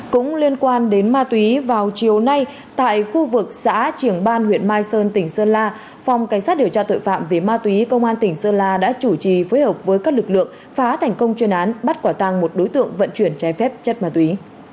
cũng liên quan đến ma túy vào chiều nay tại khu vực xã trường ban huyện mai sơn tỉnh sơn la phòng cảnh sát điều tra tội phạm về ma túy công an tỉnh sơn la đã chủ trì phối hợp với các lực lượng phá thành công chuyên án bắt quả tàng một đối tượng vận chuyển trái phép chất ma túy